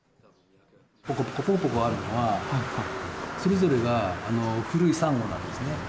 ぽこぽこぽこぽこあるのは、それぞれが古いサンゴなんですね。